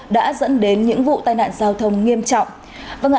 đã dẫn đến những vụ tai nạn giao thông nghiêm trọng